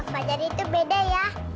pak jar itu beda ya